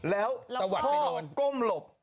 แล้วพ่อก้มหลบ